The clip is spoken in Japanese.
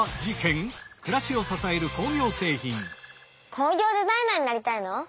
工業デザイナーになりたいの？